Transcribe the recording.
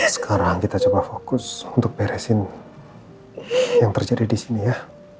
sekarang kita coba fokus untuk beresin yang terjadi di sini ya